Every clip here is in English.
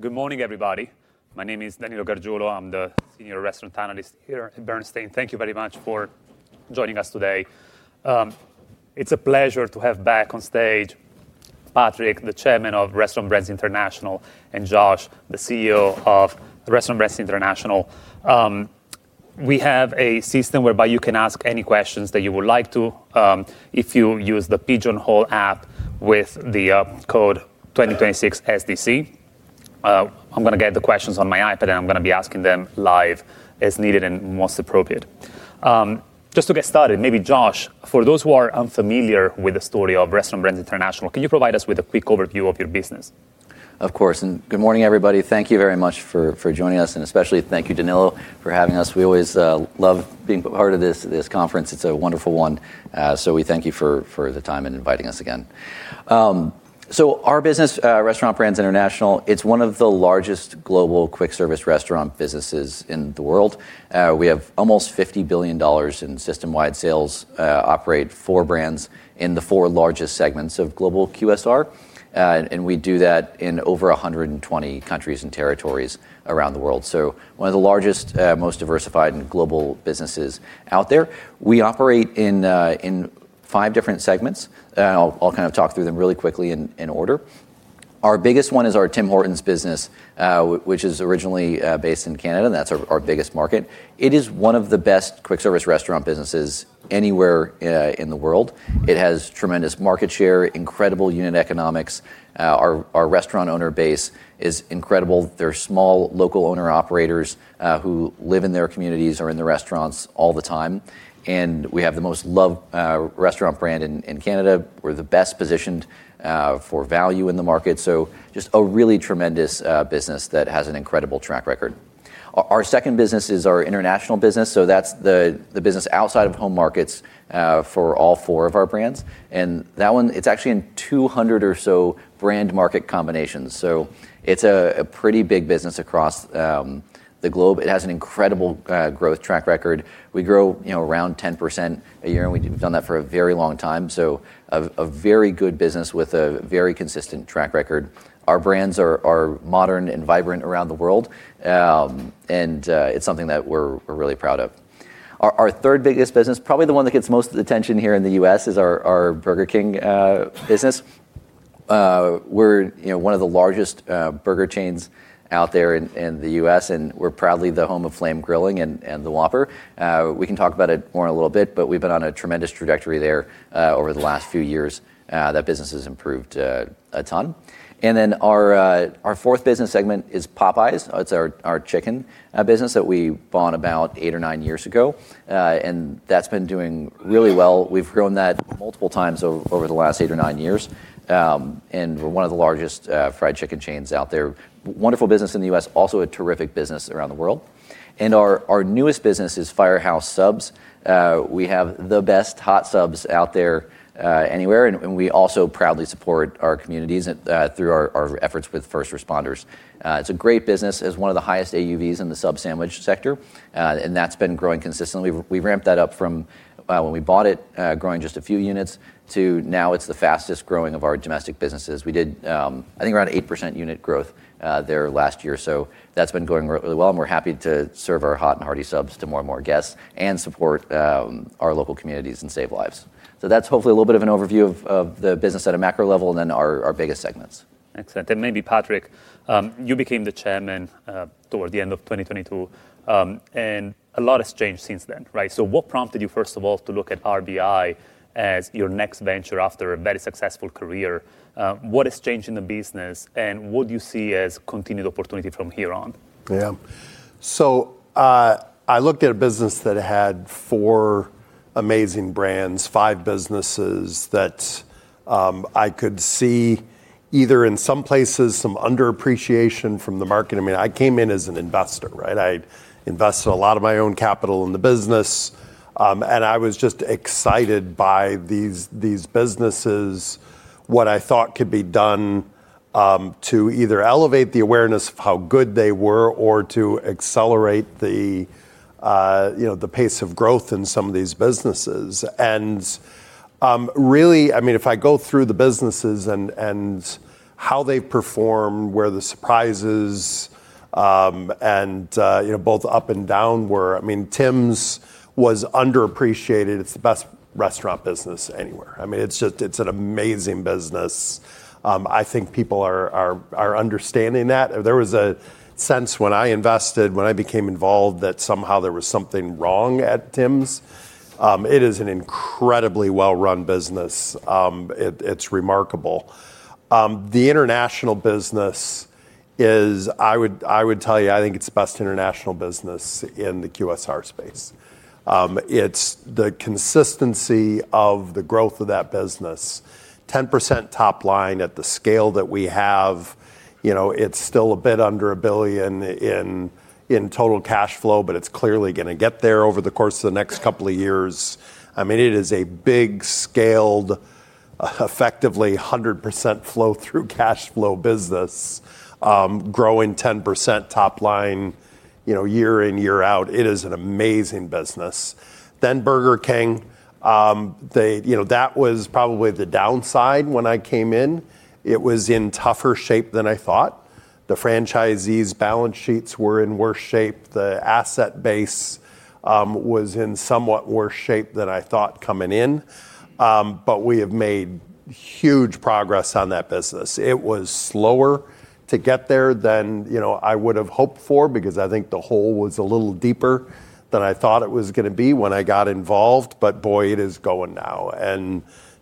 Good morning, everybody. My name is Danilo Gargiulo. I'm the senior restaurant analyst here at Bernstein. Thank you very much for joining us today. It's a pleasure to have back on stage Patrick, the Chairman of Restaurant Brands International, and Josh, the CEO of Restaurant Brands International. We have a system whereby you can ask any questions that you would like to if you use the Pigeonhole app with the code 2026SDC. I'm going to get the questions on my iPad, and I'm going to be asking them live as needed and when most appropriate. Just to get started, maybe Josh, for those who are unfamiliar with the story of Restaurant Brands International, can you provide us with a quick overview of your business? Of course. Good morning, everybody. Thank you very much for joining us, and especially thank you, Danilo, for having us. We always love being part of this conference. It's a wonderful one. We thank you for the time and inviting us again. Our business, Restaurant Brands International, it's one of the largest global quick service restaurant businesses in the world. We have almost $50 billion in system-wide sales, operate four brands in the four largest segments of global QSR. We do that in over 120 countries and territories around the world. One of the largest, most diversified, and global businesses out there. We operate in five different segments, I'll talk through them really quickly in order. Our biggest one is our Tim Hortons business, which is originally based in Canada. That's our biggest market. It is one of the best quick service restaurant businesses anywhere in the world. It has tremendous market share, incredible unit economics. Our restaurant owner base is incredible. They're small, local owner operators who live in their communities, are in the restaurants all the time. We have the most loved restaurant brand in Canada. We're the best positioned for value in the market. Just a really tremendous business that has an incredible track record. Our second business is our international business, so that's the business outside of home markets for all four of our brands. That one, it's actually in 200 or so brand market combinations. It's a pretty big business across the globe. It has an incredible growth track record. We grow around 10% a year, and we've done that for a very long time. A very good business with a very consistent track record. Our brands are modern and vibrant around the world. It's something that we're really proud of. Our third biggest business, probably the one that gets most of the attention here in the U.S., is our Burger King business. We're one of the largest burger chains out there in the U.S., and we're proudly the home of flame grilling and the Whopper. We can talk about it more in a little bit, we've been on a tremendous trajectory there over the last few years. That business has improved a ton. Our fourth business segment is Popeyes. It's our chicken business that we bought about eight or nine years ago. That's been doing really well. We've grown that multiple times over the last eight or nine years. We're one of the largest fried chicken chains out there. Wonderful business in the U.S., also a terrific business around the world. Our newest business is Firehouse Subs. We have the best hot subs out there anywhere, and we also proudly support our communities through our efforts with first responders. It's a great business. It has one of the highest AUVs in the sub sandwich sector. That's been growing consistently. We ramped that up from when we bought it, growing just a few units, to now it's the fastest-growing of our domestic businesses. We did, I think, around 8% unit growth there last year. That's been going really well, and we're happy to serve our hot and hearty subs to more and more guests and support our local communities and save lives. That's hopefully a little bit of an overview of the business at a macro level and then our biggest segments. Excellent. Maybe Patrick, you became the Chairman toward the end of 2022. A lot has changed since then, right? What prompted you, first of all, to look at RBI as your next venture after a very successful career? What has changed in the business, and what do you see as continued opportunity from here on? I looked at a business that had four amazing brands, five businesses that I could see either in some places, some underappreciation from the market. I came in as an investor, right? I invested a lot of my own capital in the business. I was just excited by these businesses, what I thought could be done to either elevate the awareness of how good they were or to accelerate the pace of growth in some of these businesses. Really, if I go through the businesses and how they've performed, where the surprises, and both up and down were. Tim's was underappreciated. It's the best restaurant business anywhere. It's an amazing business. I think people are understanding that. There was a sense when I invested, when I became involved, that somehow there was something wrong at Tim's. It is an incredibly well-run business. It's remarkable. The international business is, I would tell you, I think it's the best international business in the QSR space. It's the consistency of the growth of that business, 10% top line at the scale that we have. It's still a bit under a billion in total cash flow, it's clearly going to get there over the course of the next couple of years. It is a big scaled, effectively 100% flow through cash flow business, growing 10% top line year in, year out. It is an amazing business. Burger King. That was probably the downside when I came in. It was in tougher shape than I thought. The franchisees' balance sheets were in worse shape. The asset base was in somewhat worse shape than I thought coming in. We have made huge progress on that business. It was slower to get there than I would have hoped for, because I think the hole was a little deeper than I thought it was going to be when I got involved. boy, it is going now.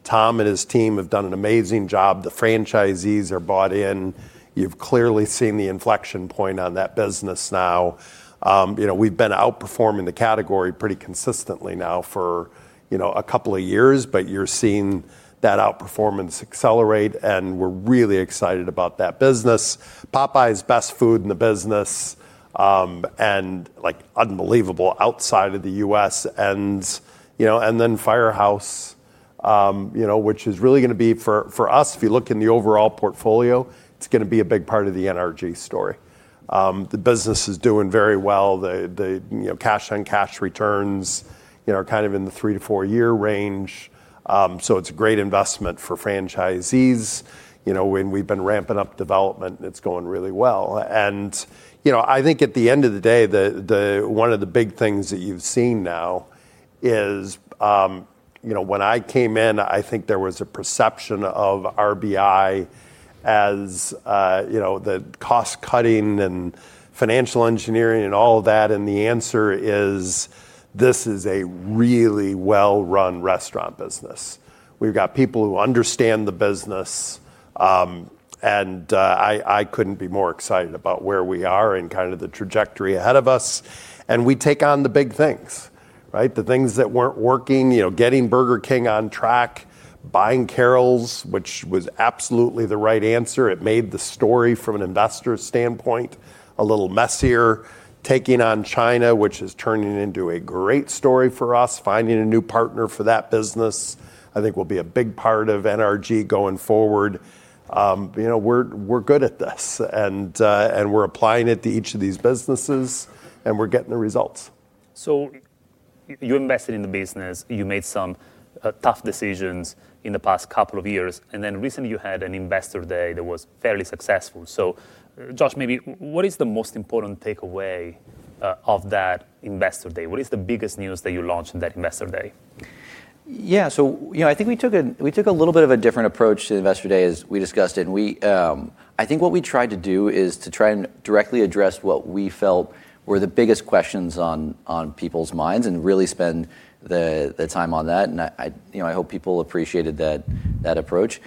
Tom and his team have done an amazing job. The franchisees are bought in. You've clearly seen the inflection point on that business now. We've been outperforming the category pretty consistently now for a couple of years, but you're seeing that outperformance accelerate, and we're really excited about that business. Popeyes, best food in the business, and unbelievable outside of the U.S.. Firehouse, which is really going to be, for us, if you look in the overall portfolio, it's going to be a big part of the NRG story. The business is doing very well. The cash on cash returns are kind of in the three- to four-year range. It's a great investment for franchisees. When we've been ramping up development, it's going really well. I think at the end of the day, one of the big things that you've seen now is, when I came in, I think there was a perception of RBI as the cost-cutting and financial engineering and all of that. The answer is, this is a really well-run restaurant business. We've got people who understand the business. I couldn't be more excited about where we are and kind of the trajectory ahead of us. We take on the big things, right? The things that weren't working, getting Burger King on track, buying Carrols, which was absolutely the right answer. It made the story from an investor standpoint, a little messier. Taking on China, which is turning into a great story for us, finding a new partner for that business, I think will be a big part of NRG going forward. We're good at this and we're applying it to each of these businesses, and we're getting the results. You invested in the business, you made some tough decisions in the past couple of years, and then recently you had an investor day that was fairly successful. Josh, maybe what is the most important takeaway of that investor day? What is the biggest news that you launched in that investor day? Yeah. I think we took a little bit of a different approach to the investor day as we discussed it. I think what we tried to do is to try and directly address what we felt were the biggest questions on people's minds and really spend the time on that. I hope people appreciated that approach.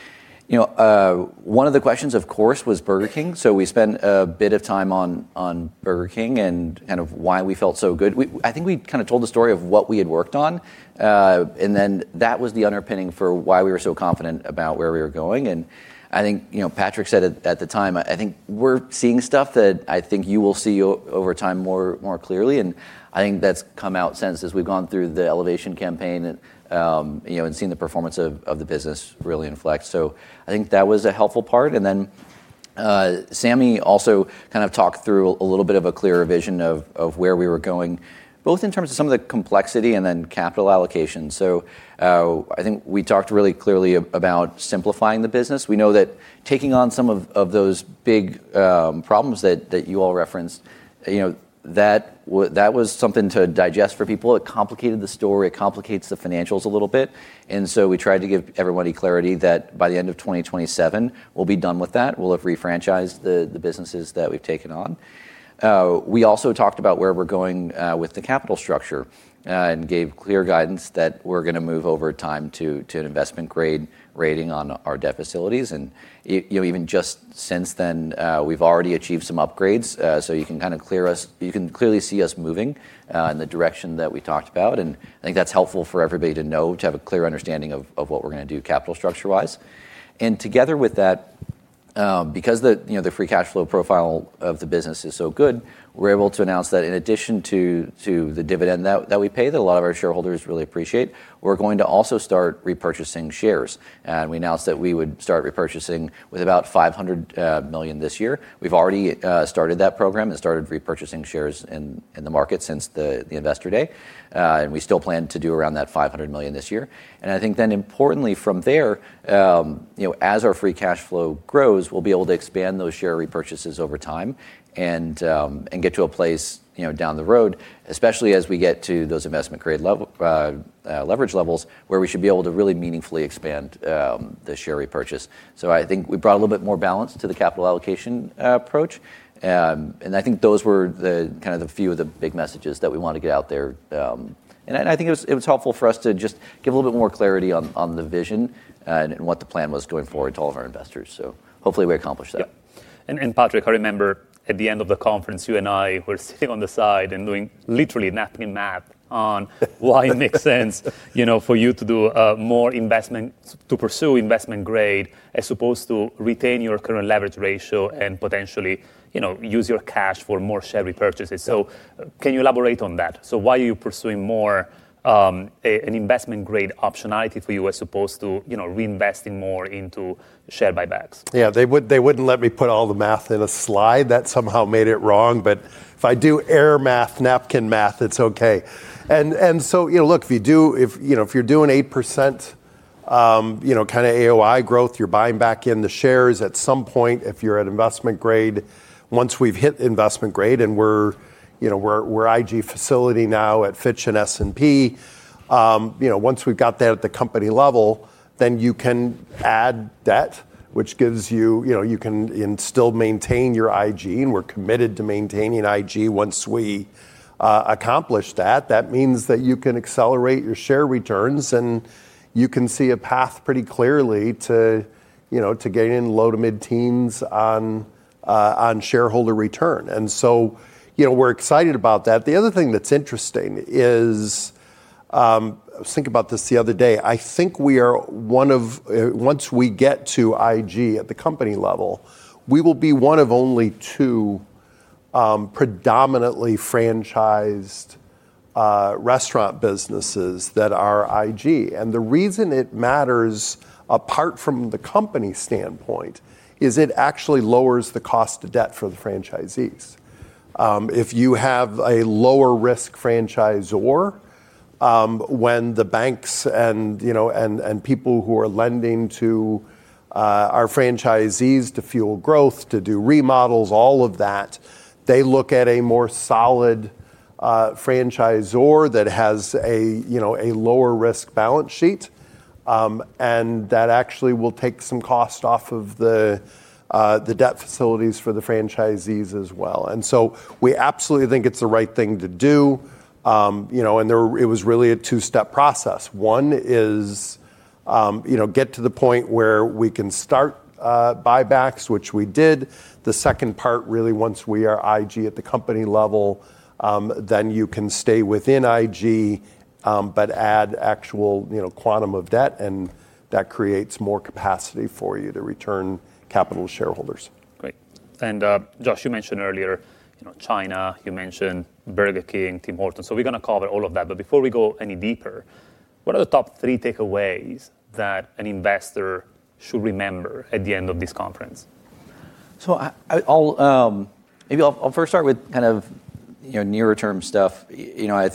One of the questions, of course, was Burger King. We spent a bit of time on Burger King and kind of why we felt so good. I think we kind of told the story of what we had worked on. That was the underpinning for why we were so confident about where we were going. I think Patrick said at the time, I think we're seeing stuff that I think you will see over time more clearly. I think that's come out since, as we've gone through the Elevation campaign and seen the performance of the business really inflect. I think that was a helpful part. Sami also kind of talked through a little bit of a clearer vision of where we were going, both in terms of some of the complexity and then capital allocation. I think we talked really clearly about simplifying the business. We know that taking on some of those big problems that you all referenced, that was something to digest for people. It complicated the story. It complicates the financials a little bit. We tried to give everybody clarity that by the end of 2027, we'll be done with that. We'll have refranchised the businesses that we've taken on. We also talked about where we're going with the capital structure and gave clear guidance that we're going to move over time to an investment-grade rating on our debt facilities. Even just since then, we've already achieved some upgrades. You can clearly see us moving in the direction that we talked about, and I think that's helpful for everybody to know, to have a clear understanding of what we're going to do capital structure-wise. Together with that, because the free cash flow profile of the business is so good, we're able to announce that in addition to the dividend that we pay, that a lot of our shareholders really appreciate, we're going to also start repurchasing shares. We announced that we would start repurchasing with about 500 million this year. We've already started that program and started repurchasing shares in the market since the investor day. We still plan to do around that 500 million this year. I think importantly from there, as our free cash flow grows, we'll be able to expand those share repurchases over time and get to a place down the road, especially as we get to those investment grade leverage levels, where we should be able to really meaningfully expand the share repurchase. I think we brought a little bit more balance to the capital allocation approach. I think those were kind of the few of the big messages that we wanted to get out there. I think it was helpful for us to just give a little bit more clarity on the vision and what the plan was going forward to all of our investors. Hopefully we accomplished that. Yeah. Patrick, I remember at the end of the conference, you and I were sitting on the side and doing literally napkin math on why it makes sense for you to do more investment, to pursue investment grade, as opposed to retain your current leverage ratio and potentially use your cash for more share repurchases. Can you elaborate on that? Why are you pursuing more an investment-grade optionality for us as opposed to reinvesting more into share buybacks? Yeah. They wouldn't let me put all the math in a slide. That somehow made it wrong. But if I do air math, napkin math, it's okay. Look, if you're doing 8% kind of AOI growth. You're buying back in the shares at some point, if you're at investment grade. Once we've hit investment grade and we're IG facility now at Fitch and S&P, once we've got that at the company level, then you can add debt, you can still maintain your IG, and we're committed to maintaining IG once we accomplish that. That means that you can accelerate your share returns, and you can see a path pretty clearly to gain low to mid-teens on shareholder return. We're excited about that. The other thing that's interesting is, I was thinking about this the other day. I think once we get to IG at the company level, we will be one of only two predominantly franchised restaurant businesses that are IG. The reason it matters, apart from the company standpoint, is it actually lowers the cost of debt for the franchisees. If you have a lower risk franchisor, when the banks and people who are lending to our franchisees to fuel growth, to do remodels, all of that, they look at a more solid franchisor that has a lower risk balance sheet, and that actually will take some cost off of the debt facilities for the franchisees as well. We absolutely think it's the right thing to do. It was really a two-step process. One is get to the point where we can start buybacks, which we did. The second part, really, once we are IG at the company level, then you can stay within IG, but add actual quantum of debt, and that creates more capacity for you to return capital to shareholders. Great. Josh, you mentioned earlier China, you mentioned Burger King, Tim Hortons. We're going to cover all of that. Before we go any deeper, what are the top three takeaways that an investor should remember at the end of this conference? Maybe I'll first start with kind of nearer term stuff. If you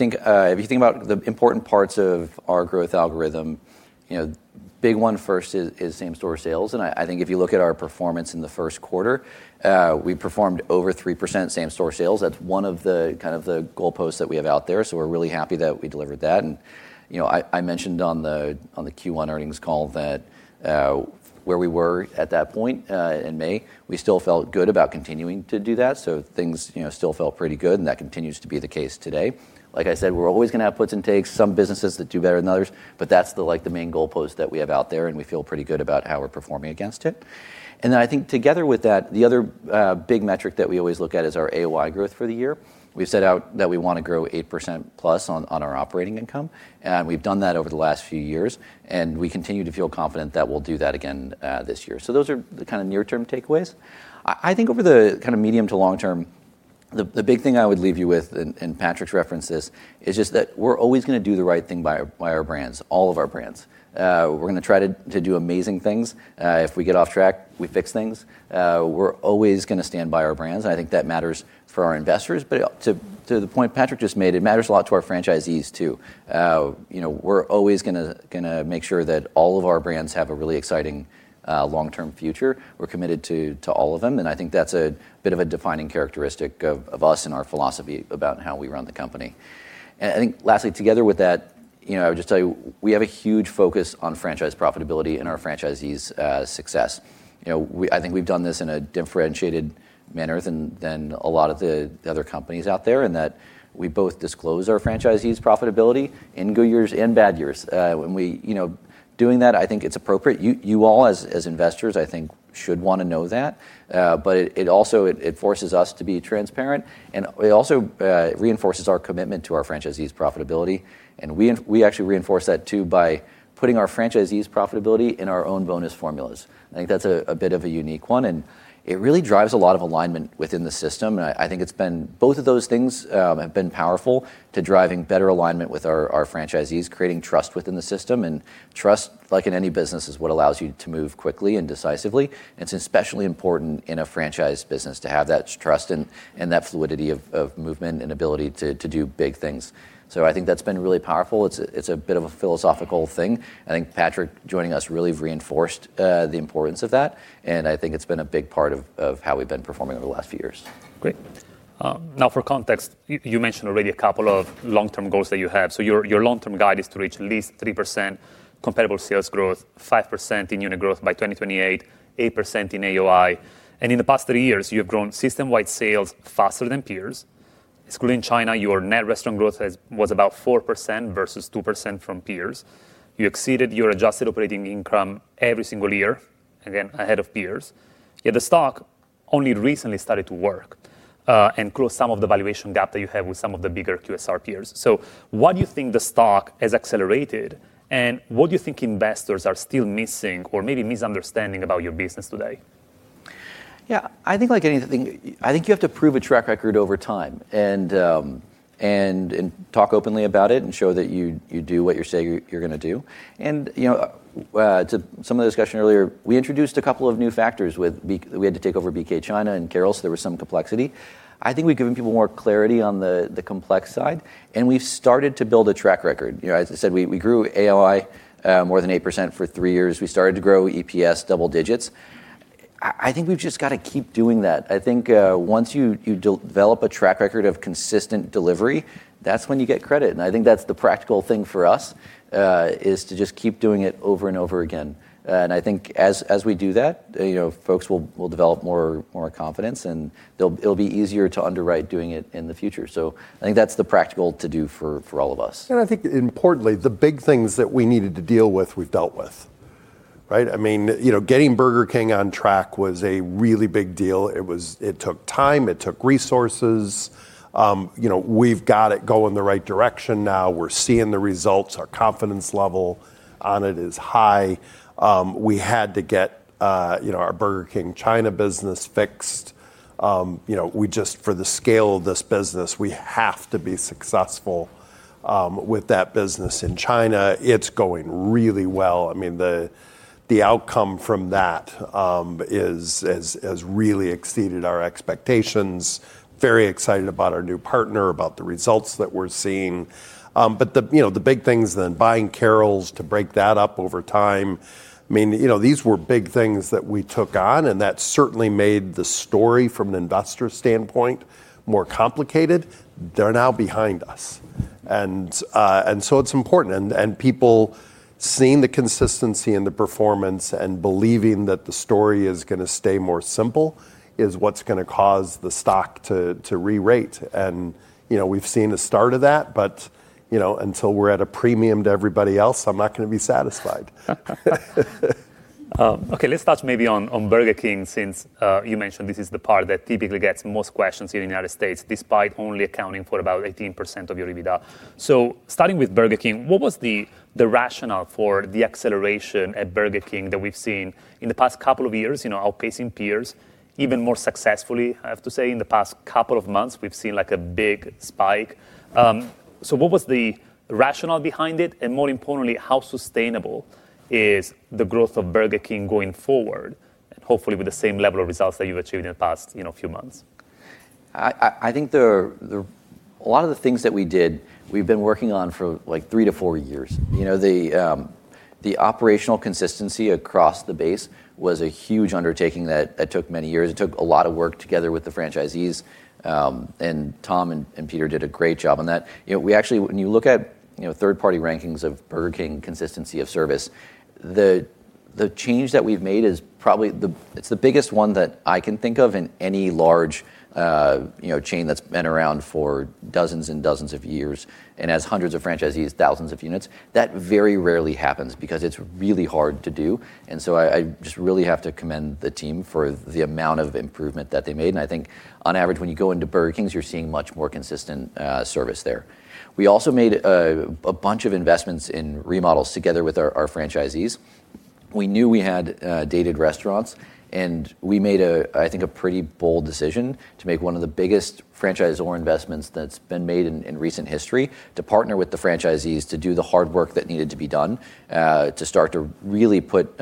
think about the important parts of our growth algorithm, big one first is same-store sales. I think if you look at our performance in the first quarter, we performed over 3% same-store sales. That's one of the goalposts that we have out there. We're really happy that we delivered that. I mentioned on the Q1 earnings call that where we were at that point in May, we still felt good about continuing to do that. Things still felt pretty good, and that continues to be the case today. Like I said, we're always going to have puts and takes, some businesses that do better than others, but that's the main goalpost that we have out there, and we feel pretty good about how we're performing against it. I think together with that, the other big metric that we always look at is our AOI growth for the year. We've set out that we want to grow 8%+ on our operating income, and we've done that over the last few years, and we continue to feel confident that we'll do that again this year. Those are the kind of near-term takeaways. I think over the medium to long term, the big thing I would leave you with, and Patrick's referenced this, is just that we're always going to do the right thing by our brands, all of our brands. We're going to try to do amazing things. If we get off track, we fix things. We're always going to stand by our brands, and I think that matters for our investors. To the point Patrick just made, it matters a lot to our franchisees, too. We're always going to make sure that all of our brands have a really exciting long-term future. We're committed to all of them, and I think that's a bit of a defining characteristic of us and our philosophy about how we run the company. I think lastly, together with that, I would just tell you, we have a huge focus on franchise profitability and our franchisees' success. I think we've done this in a differentiated manner than a lot of the other companies out there in that we both disclose our franchisees' profitability in good years and bad years. When doing that, I think it's appropriate. You all, as investors, I think should want to know that. It also forces us to be transparent and it also reinforces our commitment to our franchisees' profitability. We actually reinforce that, too, by putting our franchisees' profitability in our own bonus formulas. I think that's a bit of a unique one, and it really drives a lot of alignment within the system, and I think both of those things have been powerful to driving better alignment with our franchisees, creating trust within the system. Trust, like in any business, is what allows you to move quickly and decisively, and it's especially important in a franchise business to have that trust and that fluidity of movement and ability to do big things. I think that's been really powerful. It's a bit of a philosophical thing. I think Patrick joining us really reinforced the importance of that, and I think it's been a big part of how we've been performing over the last few years. Great. Now for context, you mentioned already a couple of long-term goals that you have. Your long-term guide is to reach at least 3% comparable sales growth, 5% in unit growth by 2028, 8% in AOI. In the past three years, you have grown system-wide sales faster than peers. Excluding China, your net restaurant growth was about 4% versus 2% from peers. You exceeded your adjusted operating income every single year, again, ahead of peers. The stock only recently started to work, and closed some of the valuation gap that you have with some of the bigger QSR peers. Why do you think the stock has accelerated, and what do you think investors are still missing or maybe misunderstanding about your business today? Yeah. I think you have to prove a track record over time and talk openly about it and show that you do what you say you're going to do. To some of the discussion earlier, we introduced a couple of new factors. We had to take over BK China and Carrols, so there was some complexity. I think we've given people more clarity on the complex side, and we've started to build a track record. As I said, we grew AOI more than 8% for three years. We started to grow EPS double digits. I think we've just got to keep doing that. I think once you develop a track record of consistent delivery, that's when you get credit. I think that's the practical thing for us, is to just keep doing it over and over again. I think as we do that, folks will develop more confidence, and it'll be easier to underwrite doing it in the future. I think that's the practical to-do for all of us. I think importantly, the big things that we needed to deal with, we've dealt with. Right? Getting Burger King on track was a really big deal. It took time, it took resources. We've got it going in the right direction now. We're seeing the results. Our confidence level on it is high. We had to get our Burger King China business fixed. For the scale of this business, we have to be successful with that business in China. It's going really well. The outcome from that has really exceeded our expectations. Very excited about our new partner, about the results that we're seeing. The big things then, buying Carrols, to break that up over time. These were big things that we took on, and that certainly made the story from an investor standpoint more complicated. They're now behind us. It's important, and people seeing the consistency in the performance and believing that the story is going to stay more simple is what's going to cause the stock to re-rate. We've seen the start of that, but until we're at a premium to everybody else, I'm not going to be satisfied. Okay, let's touch maybe on Burger King since you mentioned this is the part that typically gets most questions here in the U.S., despite only accounting for about 18% of your EBITDA. Starting with Burger King, what was the rationale for the acceleration at Burger King that we've seen in the past couple of years, outpacing peers even more successfully? I have to say, in the past couple of months, we've seen a big spike. What was the rationale behind it? And more importantly, how sustainable is the growth of Burger King going forward? And hopefully with the same level of results that you've achieved in the past few months. I think a lot of the things that we did, we've been working on for three to four years. The operational consistency across the base was a huge undertaking that took many years. It took a lot of work together with the franchisees. Tom and Peter did a great job on that. When you look at third-party rankings of Burger King consistency of service, the change that we've made, it's the biggest one that I can think of in any large chain that's been around for dozens and dozens of years and has hundreds of franchisees, thousands of units. That very rarely happens because it's really hard to do. I just really have to commend the team for the amount of improvement that they made. I think on average, when you go into Burger Kings, you're seeing much more consistent service there. We also made a bunch of investments in remodels together with our franchisees. We knew we had dated restaurants, and we made, I think, a pretty bold decision to make one of the biggest franchisor investments that's been made in recent history to partner with the franchisees to do the hard work that needed to be done, to start to really put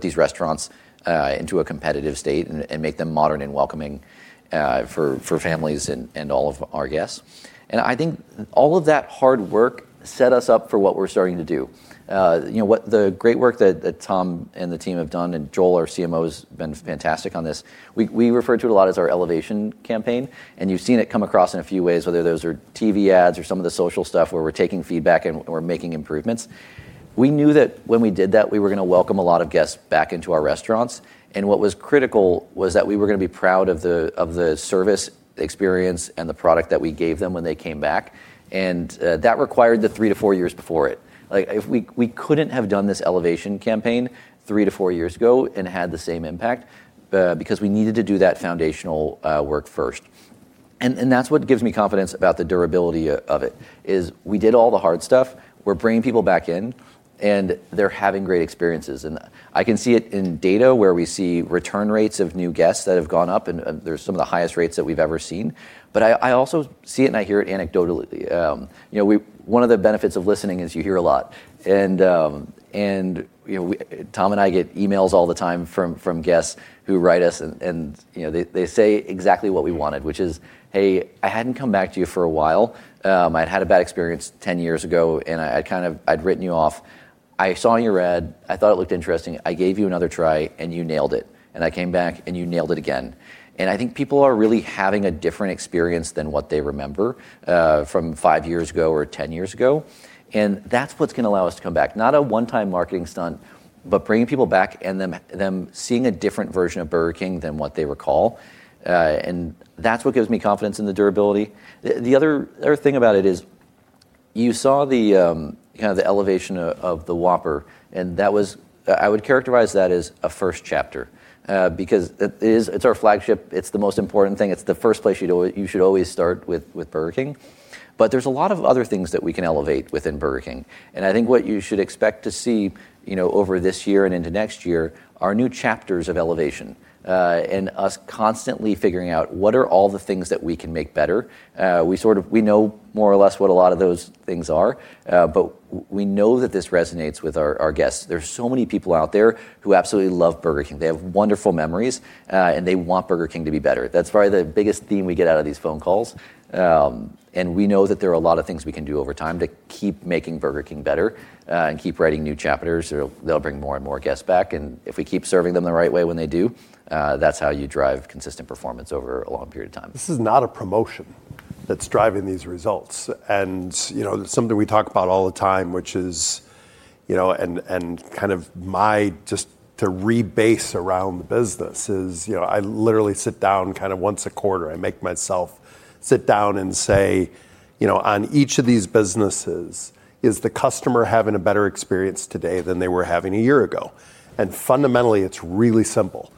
these restaurants into a competitive state and make them modern and welcoming for families and all of our guests. I think all of that hard work set us up for what we're starting to do. The great work that Tom and the team have done, and Joel, our CMO, has been fantastic on this. We refer to it a lot as our Elevation campaign, and you've seen it come across in a few ways, whether those are TV ads or some of the social stuff where we're taking feedback and we're making improvements. We knew that when we did that, we were going to welcome a lot of guests back into our restaurants. What was critical was that we were going to be proud of the service experience and the product that we gave them when they came back. And that required the three-four years before it. We couldn't have done this Elevation campaign three-four years ago and had the same impact, because we needed to do that foundational work first. And that's what gives me confidence about the durability of it, is we did all the hard stuff. We're bringing people back in, and they're having great experiences. I can see it in data where we see return rates of new guests that have gone up, and they're some of the highest rates that we've ever seen. I also see it and I hear it anecdotally. One of the benefits of listening is you hear a lot. Tom and I get emails all the time from guests who write us, and they say exactly what we wanted, which is, "Hey, I hadn't come back to you for a while. I'd had a bad experience 10 years ago, and I'd written you off. I saw your ad, I thought it looked interesting. I gave you another try, and you nailed it. I came back, and you nailed it again." I think people are really having a different experience than what they remember from five years ago or 10 years ago. That's what's going to allow us to come back. Not a one-time marketing stunt, but bringing people back and them seeing a different version of Burger King than what they recall. That's what gives me confidence in the durability. The other thing about it is, you saw the elevation of the Whopper, and I would characterize that as a first chapter. It's our flagship, it's the most important thing. It's the first place you should always start with Burger King. There's a lot of other things that we can elevate within Burger King. I think what you should expect to see over this year and into next year are new chapters of Elevation, and us constantly figuring out what are all the things that we can make better. We know more or less what a lot of those things are. We know that this resonates with our guests. There's so many people out there who absolutely love Burger King. They have wonderful memories. They want Burger King to be better. That's probably the biggest theme we get out of these phone calls. We know that there are a lot of things we can do over time to keep making Burger King better, and keep writing new chapters that'll bring more and more guests back. If we keep serving them the right way when they do, that's how you drive consistent performance over a long period of time. This is not a promotion that's driving these results. Something we talk about all the time, and just to rebase around the business is, I literally sit down once a quarter. I make myself sit down and say, "On each of these businesses, is the customer having a better experience today than they were having a year ago?" Fundamentally, it's really simple.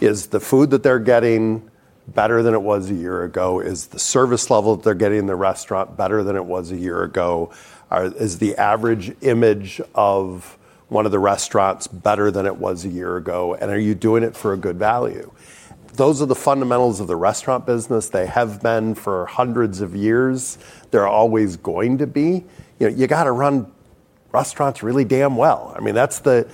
Is the food that they're getting better than it was a year ago? Is the service level they're getting in the restaurant better than it was a year ago? Is the average image of one of the restaurants better than it was a year ago? Are you doing it for a good value? Those are the fundamentals of the restaurant business. They have been for hundreds of years. They're always going to be. You got to run restaurants really damn well. That's the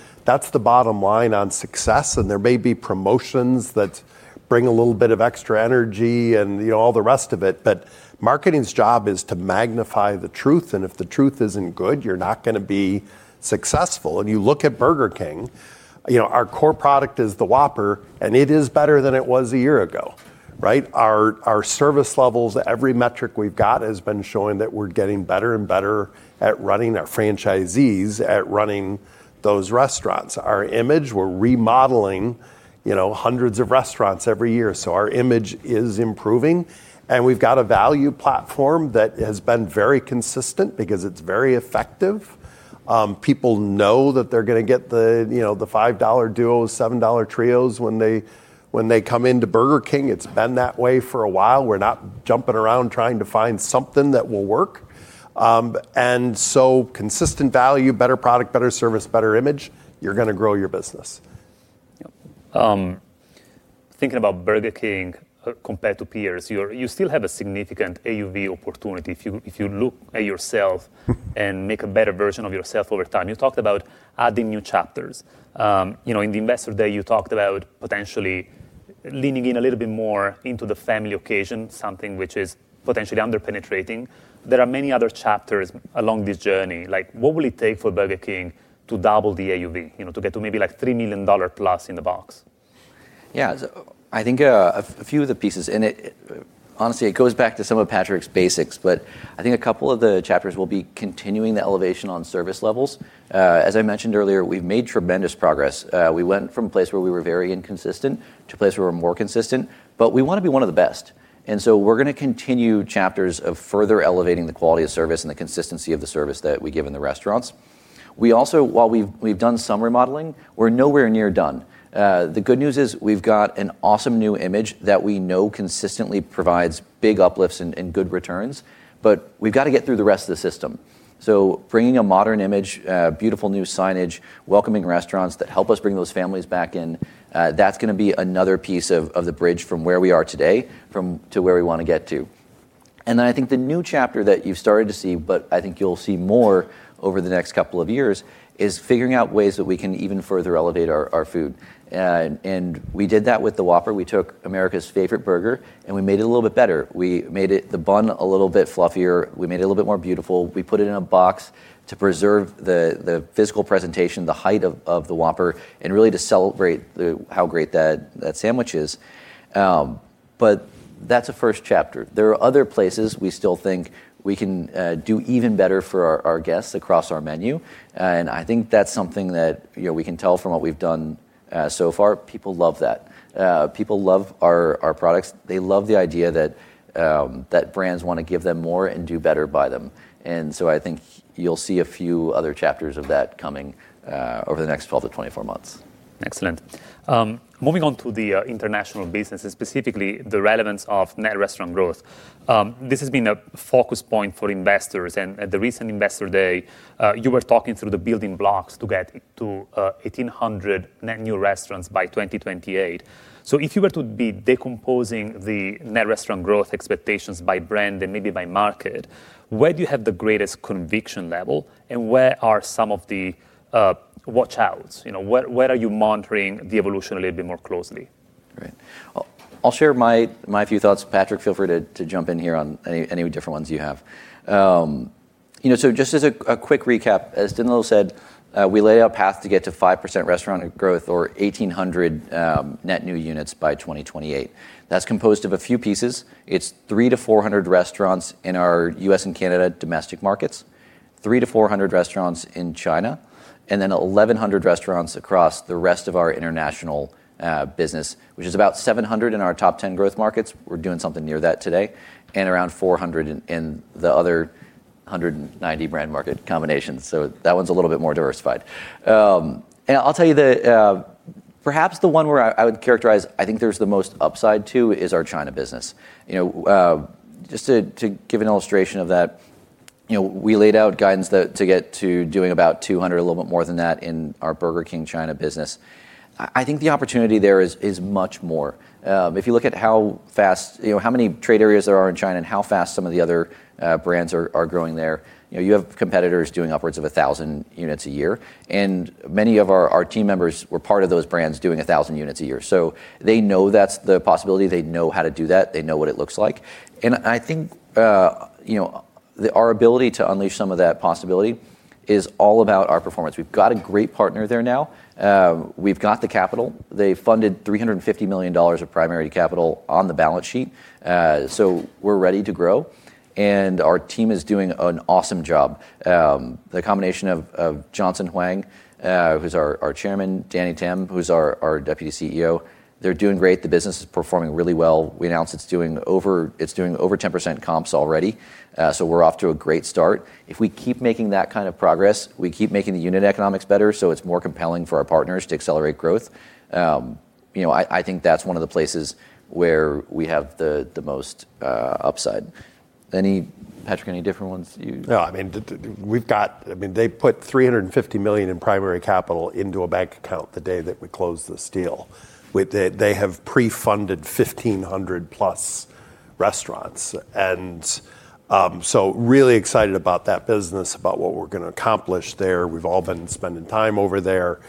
bottom line on success. There may be promotions that bring a little bit of extra energy and all the rest of it. Marketing's job is to magnify the truth. If the truth isn't good, you're not going to be successful. If you look at Burger King, our core product is the Whopper, and it is better than it was a year ago. Right? Our service levels, every metric we've got has been showing that we're getting better and better at running our franchisees, at running those restaurants. Our image, we're remodeling hundreds of restaurants every year, so our image is improving. We've got a value platform that has been very consistent because it's very effective. People know that they're going to get the $5 Duos, $7 Trios when they come into Burger King. It's been that way for a while. We're not jumping around trying to find something that will work. Consistent value, better product, better service, better image, you're going to grow your business. Yep. Thinking about Burger King compared to peers, you still have a significant AUV opportunity if you look at yourself and make a better version of yourself over time. You talked about adding new chapters. In the investor day, you talked about potentially leaning in a little bit more into the family occasion, something which is potentially under-penetrating. There are many other chapters along this journey. What will it take for Burger King to double the AUV, to get to maybe $3 million plus in the box? Yeah. I think a few of the pieces. Honestly, it goes back to some of Patrick's basics. I think a couple of the chapters will be continuing the elevation on service levels. As I mentioned earlier, we've made tremendous progress. We went from a place where we were very inconsistent to a place where we're more consistent, but we want to be one of the best. We're going to continue chapters of further elevating the quality of service and the consistency of the service that we give in the restaurants. We also, while we've done some remodeling, we're nowhere near done. The good news is we've got an awesome new image that we know consistently provides big uplifts and good returns, but we've got to get through the rest of the system. Bringing a modern image, beautiful new signage, welcoming restaurants that help us bring those families back in, that's going to be another piece of the bridge from where we are today to where we want to get to. I think the new chapter that you've started to see, but I think you'll see more over the next couple of years, is figuring out ways that we can even further elevate our food. We did that with the Whopper. We took America's favorite burger, and we made it a little bit better. We made the bun a little bit fluffier. We made it a little bit more beautiful. We put it in a box to preserve the physical presentation, the height of the Whopper, and really to celebrate how great that sandwich is. That's a first chapter. There are other places we still think we can do even better for our guests across our menu. I think that's something that we can tell from what we've done so far, people love that. People love our products. They love the idea that brands want to give them more and do better by them. I think you'll see a few other chapters of that coming over the next 12-24 months. Excellent. Moving on to the international business, specifically the relevance of net restaurant growth. This has been a focus point for investors. At the recent investor day, you were talking through the building blocks to get to 1,800 net new restaurants by 2028. If you were to be decomposing the net restaurant growth expectations by brand and maybe by market, where do you have the greatest conviction level, and where are some of the watch-outs? Where are you monitoring the evolution a little bit more closely? Great. I'll share my few thoughts. Patrick, feel free to jump in here on any different ones you have. Just as a quick recap, as Danilo said, we lay a path to get to 5% restaurant growth or 1,800 net new units by 2028. That's composed of a few pieces. It's 300-400 restaurants in our U.S. and Canada domestic markets, 300-400 restaurants in China, and then 1,100 restaurants across the rest of our international business, which is about 700 in our top 10 growth markets. We're doing something near that today. Around 400 in the other 190 brand market combinations. That one's a little bit more diversified. I'll tell you perhaps the one where I would characterize, I think there's the most upside to, is our China business. Just to give an illustration of that. We laid out guidance to get to doing about 200, a little bit more than that in our Burger King China business. I think the opportunity there is much more. If you look at how many trade areas there are in China and how fast some of the other brands are growing there, you have competitors doing upwards of 1,000 units a year. Many of our team members were part of those brands doing 1,000 units a year. They know that's the possibility. They know how to do that. They know what it looks like. I think our ability to unleash some of that possibility is all about our performance. We've got a great partner there now. We've got the capital. They funded 350 million dollars of primary capital on the balance sheet. We're ready to grow, and our team is doing an awesome job. The combination of Johnson Huang, who's our chairman, Danny Tan, who's our Deputy CEO, they're doing great. The business is performing really well. We announced it's doing over 10% comps already. We're off to a great start. If we keep making that kind of progress, we keep making the unit economics better, so it's more compelling for our partners to accelerate growth, I think that's one of the places where we have the most upside. Patrick, any different ones you. No, they put 350 million in primary capital into a bank account the day that we closed this deal. They have pre-funded 1,500+ restaurants. Really excited about that business, about what we're going to accomplish there. We've all been spending time over there.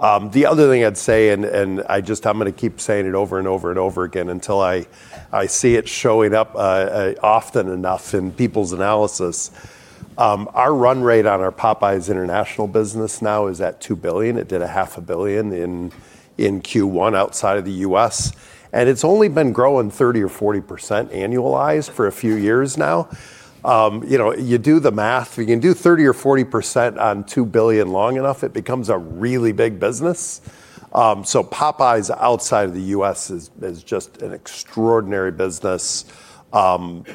The other thing I'd say, and I'm going to keep saying it over and over and over again until I see it showing up often enough in people's analysis, our run rate on our Popeyes international business now is at 2 billion. It did a 500,000,000 in Q1 outside of the U.S., and it's only been growing 30% or 40% annualized for a few years now. You do the math. If you can do 30% or 40% on 2 billion long enough, it becomes a really big business. Popeyes outside of the U.S. is just an extraordinary business. The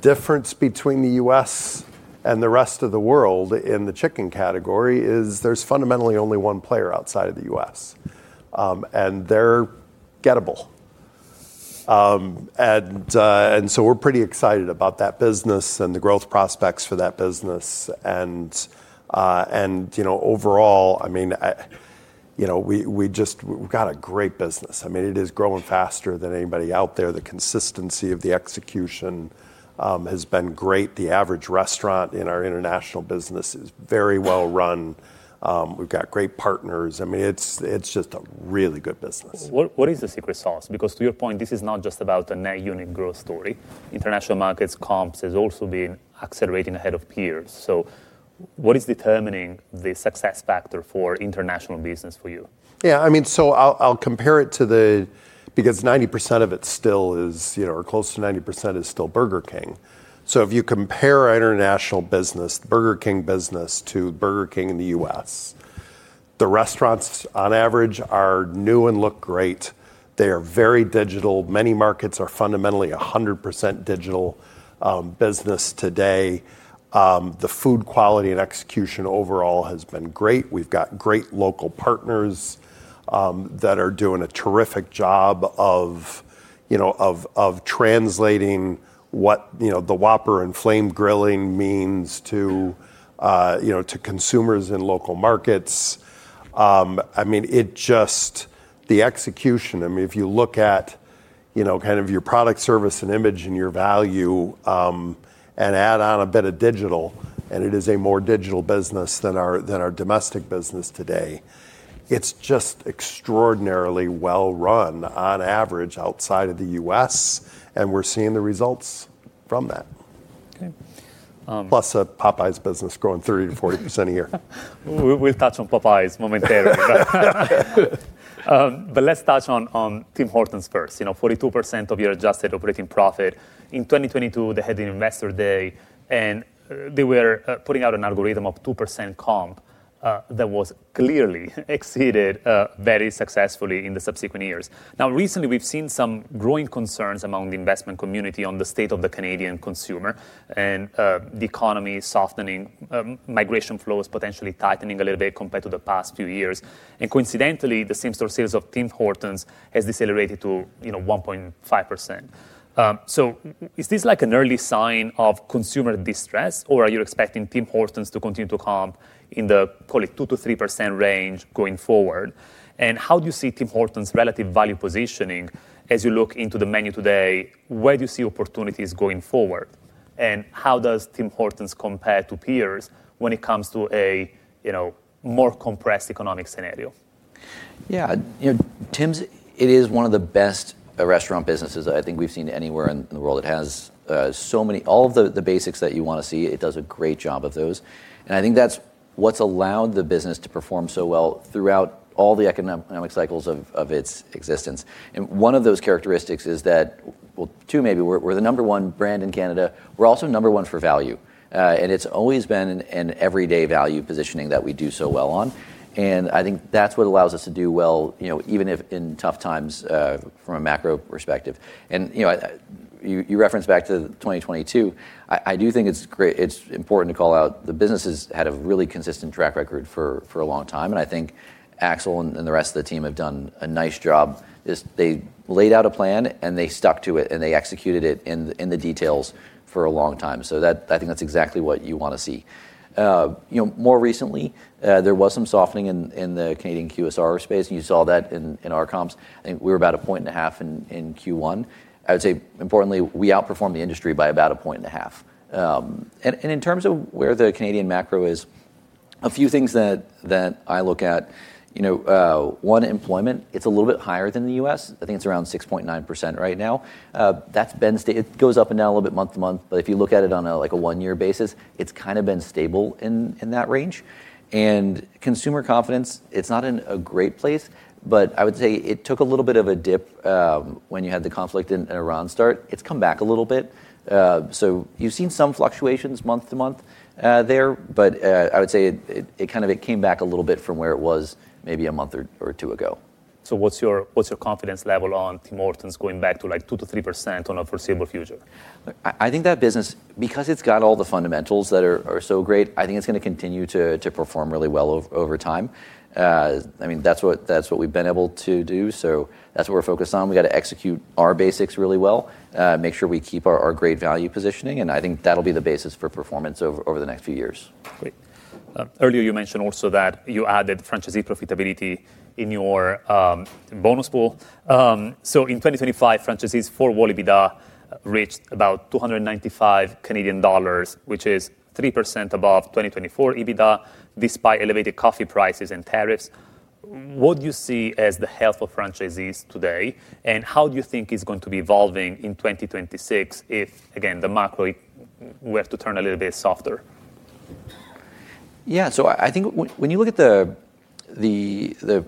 difference between the U.S. and the rest of the world in the chicken category is there's fundamentally only one player outside of the U.S., and they're gettable. We're pretty excited about that business and the growth prospects for that business. Overall, we've got a great business. It is growing faster than anybody out there. The consistency of the execution has been great. The average restaurant in our international business is very well run. We've got great partners. It's just a really good business. What is the secret sauce? To your point, this is not just about a net unit growth story. International markets comps has also been accelerating ahead of peers. What is determining the success factor for international business for you? Yeah. I'll compare it to the because 90% of it still is, or close to 90%, is still Burger King. If you compare our international business, Burger King business, to Burger King in the U.S., the restaurants, on average, are new and look great. They are very digital. Many markets are fundamentally 100% digital business today. The food quality and execution overall has been great. We've got great local partners that are doing a terrific job of translating what the Whopper and flame grilling means to consumers in local markets. The execution, if you look at your product, service, and image and your value, and add on a bit of digital, and it is a more digital business than our domestic business today. It's just extraordinarily well run on average outside of the U.S., and we're seeing the results from that. Okay. A Popeyes business growing 30%-40% a year. We'll touch on Popeyes momentarily. Let's touch on Tim Hortons first. 42% of your adjusted operating profit. In 2022, they had the Investor Day, and they were putting out an algorithm of 2% comp that was clearly exceeded very successfully in the subsequent years. Recently, we've seen some growing concerns among the investment community on the state of the Canadian consumer and the economy softening, migration flows potentially tightening a little bit compared to the past few years. Coincidentally, the same store sales of Tim Hortons has decelerated to 1.5%. Is this like an early sign of consumer distress, or are you expecting Tim Hortons to continue to comp in the, call it, 2%-3% range going forward? How do you see Tim Hortons' relative value positioning as you look into the menu today? Where do you see opportunities going forward, and how does Tim Hortons compare to peers when it comes to a more compressed economic scenario? Yeah. Tim's, it is one of the best restaurant businesses I think we've seen anywhere in the world. It has all of the basics that you want to see. It does a great job of those. I think that's what's allowed the business to perform so well throughout all the economic cycles of its existence. One of those characteristics is that, well, two maybe, we're the number one brand in Canada. We're also number one for value. It's always been an everyday value positioning that we do so well on, and I think that's what allows us to do well, even if in tough times, from a macro perspective. You reference back to 2022. I do think it's important to call out the business has had a really consistent track record for a long time. I think Axel and the rest of the team have done a nice job. They laid out a plan, they stuck to it, they executed it in the details for a long time. I think that's exactly what you want to see. More recently, there was some softening in the Canadian QSR space. You saw that in our comps. I think we were about a point and a half in Q1. I would say importantly, we outperformed the industry by about a point and a half. In terms of where the Canadian macro is, a few things that I look at, one, employment, it's a little bit higher than the U.S. I think it's around 6.9% right now. It goes up and down a little bit month to month. If you look at it on a one-year basis, it's kind of been stable in that range. Consumer confidence, it's not in a great place, but I would say it took a little bit of a dip when you had the conflict in Iran start. It's come back a little bit. You've seen some fluctuations month to month there. I would say it came back a little bit from where it was maybe a month or two ago. What's your confidence level on Tim Hortons going back to 2%-3% on the foreseeable future? I think that business, because it's got all the fundamentals that are so great, I think it's going to continue to perform really well over time. That's what we've been able to do. That's what we're focused on. We got to execute our basics really well, make sure we keep our great value positioning, and I think that'll be the basis for performance over the next few years. Great. Earlier you mentioned also that you added franchisee profitability in your bonus pool. In 2025, franchisees for 4-wall EBITDA reached about 295,000 Canadian dollars, which is 3% above 2024 EBITDA, despite elevated coffee prices and tariffs. What do you see as the health of franchisees today, and how do you think it's going to be evolving in 2026 if, again, the macro we have to turn a little bit softer? I think when you look at the,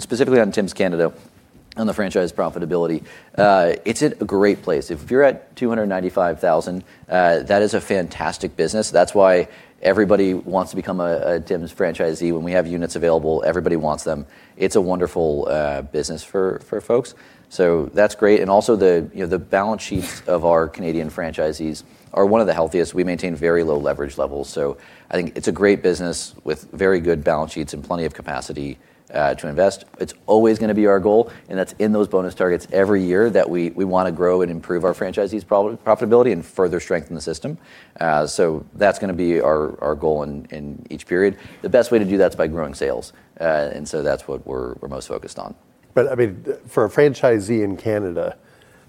specifically on Tim's Canada, on the franchise profitability, it's in a great place. If you're at 295,000, that is a fantastic business. That's why everybody wants to become a Tim's franchisee. When we have units available, everybody wants them. It's a wonderful business for folks. That's great. Also the balance sheets of our Canadian franchisees are one of the healthiest. We maintain very low leverage levels. I think it's a great business with very good balance sheets and plenty of capacity to invest. It's always going to be our goal, that's in those bonus targets every year that we want to grow and improve our franchisees' profitability and further strengthen the system. That's going to be our goal in each period. The best way to do that is by growing sales. That's what we're most focused on. For a franchisee in Canada,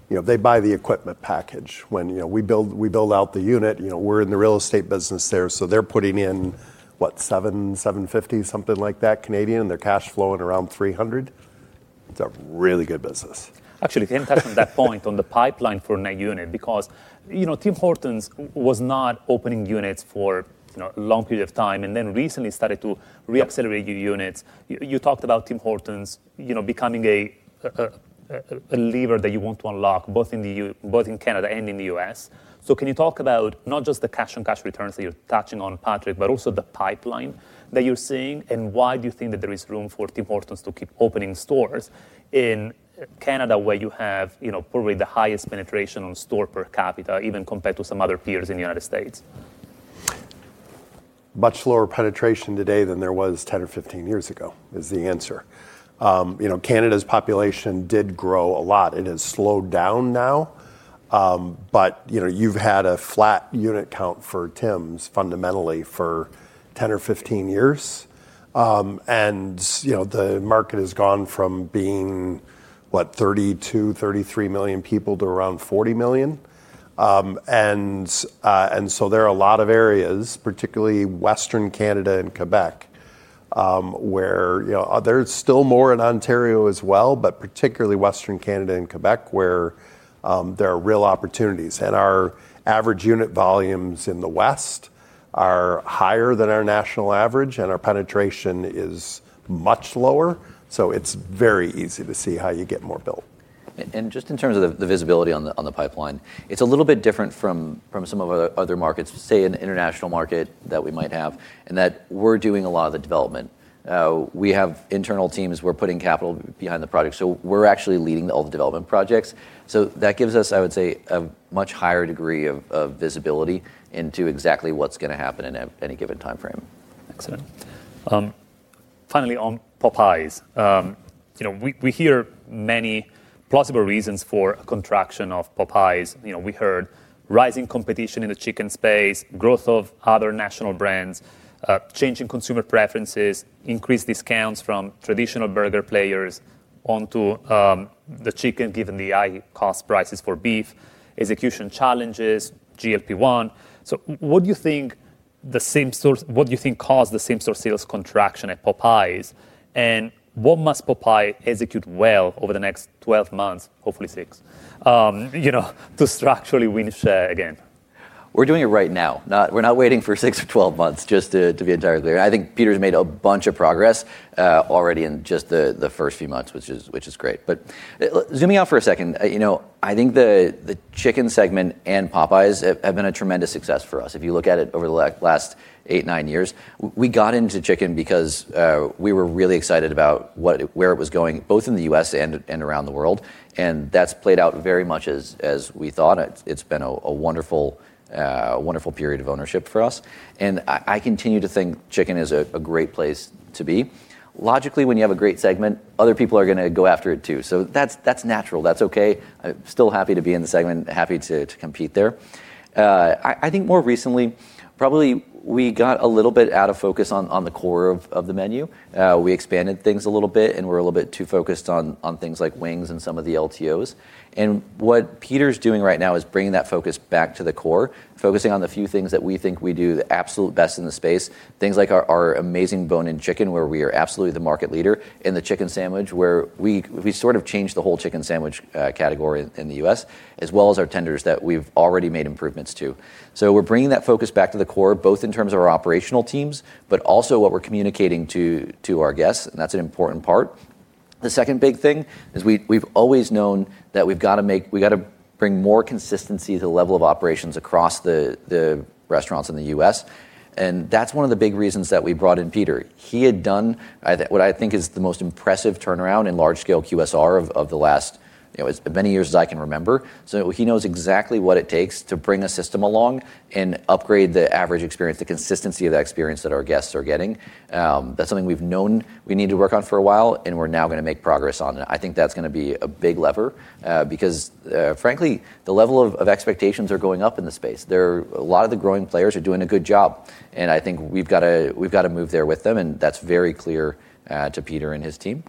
they buy the equipment package. When we build out the unit, we're in the real estate business there. They're putting in, what, 700, 750, something like that Canadian, their cash flowing around 300. It's a really good business. Actually, Tom touched on that point on the pipeline for net unit because Tim Hortons was not opening units for long period of time and then recently started to re-accelerate new units. You talked about Tim Hortons becoming a lever that you want to unlock both in Canada and in the U.S. Can you talk about not just the cash-on-cash returns that you're touching on, Patrick, but also the pipeline that you're seeing, and why do you think that there is room for Tim Hortons to keep opening stores in Canada, where you have probably the highest penetration on store per capita, even compared to some other peers in the U.S.? Much lower penetration today than there was 10 or 15 years ago is the answer. Canada's population did grow a lot. It has slowed down now. You've had a flat unit count for Tim's fundamentally for 10 or 15 years. The market has gone from being, what, 32, 33 million people to around 40 million. There are a lot of areas, particularly Western Canada and Quebec, where there's still more in Ontario as well, but particularly Western Canada and Quebec, where there are real opportunities. Our average unit volumes in the West are higher than our national average, and our penetration is much lower. It's very easy to see how you get more built. Just in terms of the visibility on the pipeline, it's a little bit different from some of our other markets, say, an international market that we might have, in that we're doing a lot of the development. We have internal teams. We're putting capital behind the project. We're actually leading all the development projects. That gives us, I would say, a much higher degree of visibility into exactly what's going to happen in any given time frame. Excellent. Finally, on Popeyes. We hear many plausible reasons for a contraction of Popeyes. We heard rising competition in the chicken space, growth of other national brands, change in consumer preferences, increased discounts from traditional burger players onto the chicken, given the high cost prices for beef, execution challenges, GLP-1. So what do you think caused the same-store sales contraction at Popeyes, and what must Popeyes execute well over the next 12 months, hopefully six, to structurally win share again? We're doing it right now. We're not waiting for six or 12 months, just to be entirely clear. I think Peter's made a bunch of progress already in just the first few months, which is great. Zooming out for a second, I think the chicken segment and Popeyes have been a tremendous success for us. If you look at it over the last eight, nine years, we got into chicken because we were really excited about where it was going, both in the U.S. and around the world, and that's played out very much as we thought. It's been a wonderful period of ownership for us, and I continue to think chicken is a great place to be. Logically, when you have a great segment, other people are going to go after it, too. That's natural. That's okay. Still happy to be in the segment, happy to compete there. I think more recently, probably we got a little bit out of focus on the core of the menu. We expanded things a little bit, we're a little bit too focused on things like wings and some of the LTOs. What Peter's doing right now is bringing that focus back to the core, focusing on the few things that we think we do the absolute best in the space. Things like our amazing bone-in chicken, where we are absolutely the market leader, in the chicken sandwich, where we sort of changed the whole chicken sandwich category in the U.S., as well as our tenders that we've already made improvements to. We're bringing that focus back to the core, both in terms of our operational teams, but also what we're communicating to our guests, and that's an important part. The second big thing is we've always known that we've got to bring more consistency to the level of operations across the restaurants in the U.S., and that's one of the big reasons that we brought in Peter. He had done what I think is the most impressive turnaround in large scale QSR of the last, as many years as I can remember. He knows exactly what it takes to bring a system along and upgrade the average experience, the consistency of the experience that our guests are getting. That's something we've known we need to work on for a while, and we're now going to make progress on it. I think that's going to be a big lever. Frankly, the level of expectations are going up in the space. A lot of the growing players are doing a good job, and I think we've got to move there with them, and that's very clear to Peter and his team.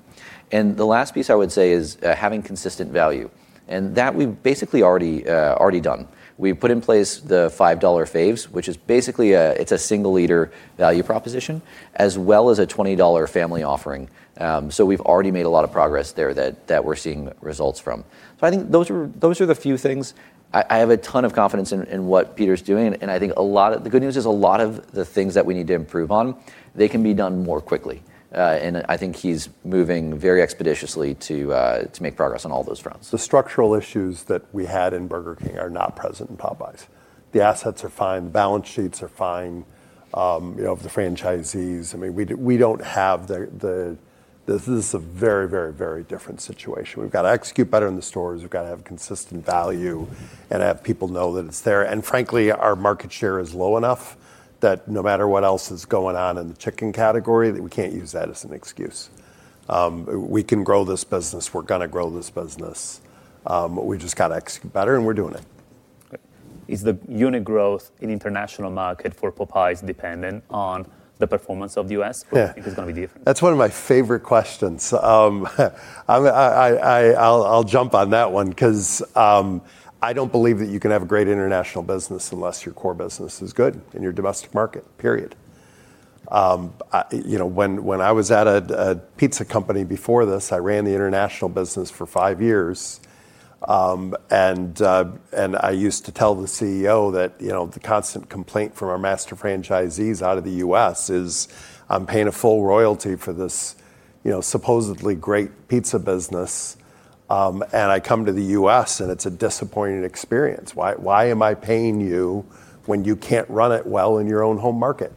The last piece I would say is having consistent value, and that we've basically already done. We've put in place the $5 Faves, which is basically a single leader value proposition, as well as a $20 family offering. We've already made a lot of progress there that we're seeing results from. I think those are the few things. I have a ton of confidence in what Peter's doing, and I think the good news is a lot of the things that we need to improve on, they can be done more quickly. I think he's moving very expeditiously to make progress on all those fronts. The structural issues that we had in Burger King are not present in Popeyes. The assets are fine, the balance sheets are fine. The franchisees, this is a very different situation. We've got to execute better in the stores. We've got to have consistent value and have people know that it's there, and frankly, our market share is low enough that no matter what else is going on in the chicken category, that we can't use that as an excuse. We can grow this business. We're going to grow this business. We've just got to execute better, and we're doing it. Great. Is the unit growth in international market for Popeyes dependent on the performance of the U.S.-? Yeah. Do you think it's going to be different? That's one of my favorite questions. I'll jump on that one because I don't believe that you can have a great international business unless your core business is good in your domestic market, period. When I was at a pizza company before this, I ran the international business for five years, and I used to tell the CEO that the constant complaint from our master franchisees out of the U.S. is, "I'm paying a full royalty for this supposedly great pizza business, and I come to the U.S., and it's a disappointing experience. Why am I paying you when you can't run it well in your own home market?"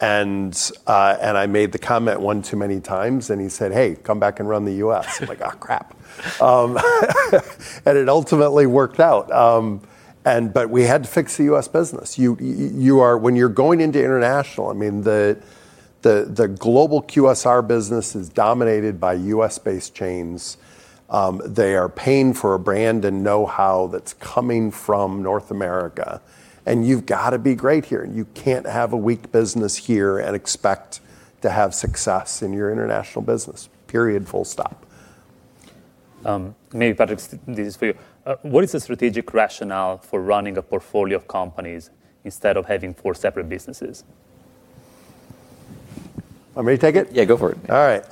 I made the comment one too many times, and he said, "Hey, come back and run the U.S." I'm like, "Oh, crap." It ultimately worked out. We had to fix the U.S. business. When you're going into international, the global QSR business is dominated by U.S.-based chains. They are paying for a brand and knowhow that's coming from North America, and you've got to be great here. You can't have a weak business here and expect to have success in your international business. Period. Full stop. Maybe, Patrick, this is for you. What is the strategic rationale for running a portfolio of companies instead of having four separate businesses? Want me to take it? Yeah, go for it. All right.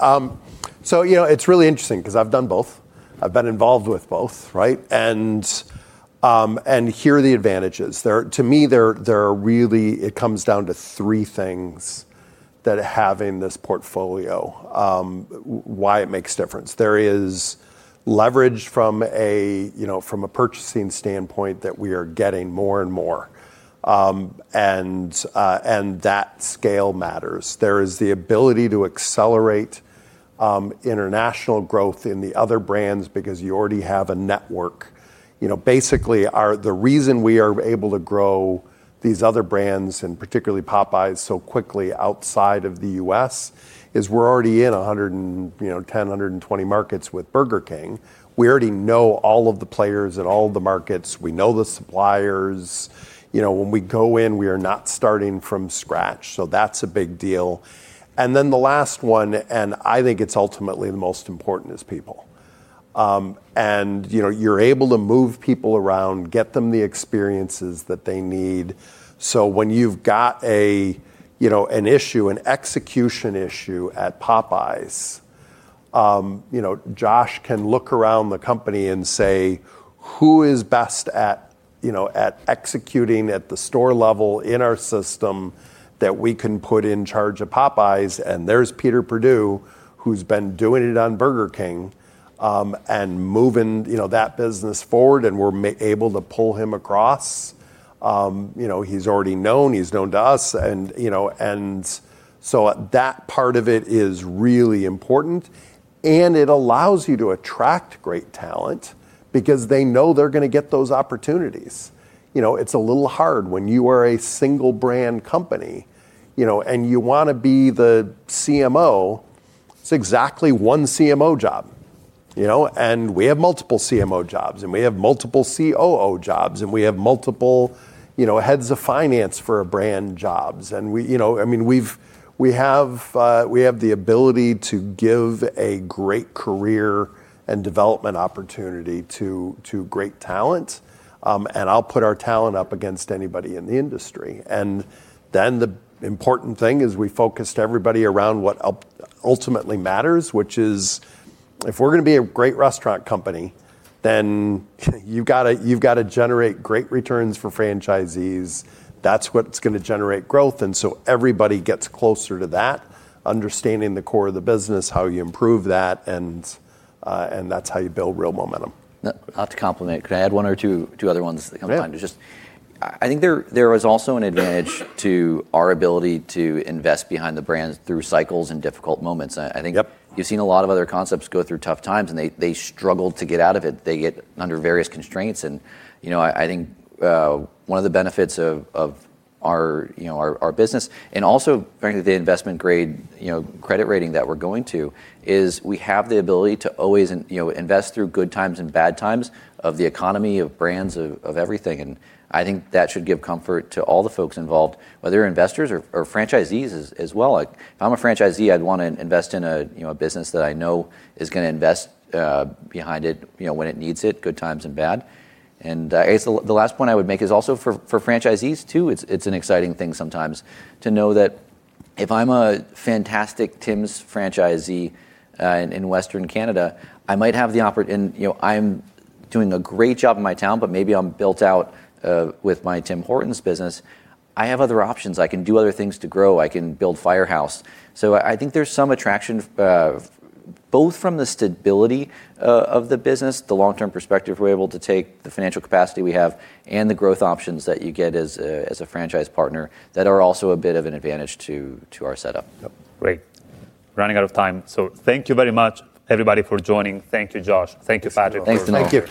It's really interesting because I've done both. I've been involved with both, right? Here are the advantages. To me, it comes down to three things that having this portfolio, why it makes difference. There is leverage from a purchasing standpoint that we are getting more and more. That scale matters. There is the ability to accelerate international growth in the other brands because you already have a network. Basically, the reason we are able to grow these other brands, and particularly Popeyes, so quickly outside of the U.S., is we're already in 110, 120 markets with Burger King. We already know all of the players in all of the markets. We know the suppliers. When we go in, we are not starting from scratch. That's a big deal. Then the last one, and I think it's ultimately the most important, is people. You're able to move people around, get them the experiences that they need. When you've got an issue, an execution issue at Popeyes. Josh can look around the company and say, "Who is best at executing at the store level in our system that we can put in charge of Popeyes?" There's Peter Perdue, who's been doing it on Burger King, and moving that business forward, and we're able to pull him across. He's already known, he's known to us. That part of it is really important, and it allows you to attract great talent because they know they're going to get those opportunities. It's a little hard when you are a single brand company, and you want to be the CMO. It's exactly one CMO job. We have multiple CMO jobs, we have multiple COO jobs, and we have multiple heads of finance for a brand jobs. We have the ability to give a great career and development opportunity to great talent, and I'll put our talent up against anybody in the industry. The important thing is we focused everybody around what ultimately matters, which is if we're going to be a great restaurant company, then you've got to generate great returns for franchisees. That's what's going to generate growth. Everybody gets closer to that, understanding the core of the business, how you improve that, and that's how you build real momentum. Not to compliment, could I add one or two other ones if I have time? Yeah. I think there is also an advantage to our ability to invest behind the brands through cycles and difficult moments. Yep. I think you've seen a lot of other concepts go through tough times, and they struggled to get out of it. They get under various constraints and I think one of the benefits of our business, and also bringing the investment grade credit rating that we're going to, is we have the ability to always invest through good times and bad times of the economy, of brands, of everything. I think that should give comfort to all the folks involved, whether investors or franchisees as well. If I'm a franchisee, I'd want to invest in a business that I know is going to invest behind it when it needs it, good times and bad. I guess the last point I would make is also for franchisees, too, it's an exciting thing sometimes to know that if I'm a fantastic Tim's franchisee in Western Canada, I'm doing a great job in my town, but maybe I'm built out with my Tim Hortons business. I have other options. I can do other things to grow. I can build Firehouse. I think there's some attraction both from the stability of the business, the long-term perspective we're able to take, the financial capacity we have, and the growth options that you get as a franchise partner that are also a bit of an advantage to our setup. Yep. Great. Running out of time. Thank you very much, everybody, for joining. Thank you, Josh. Thank you, Patrick. Thanks, Danilo. Thank you.